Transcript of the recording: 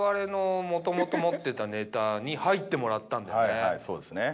はいはいそうですね。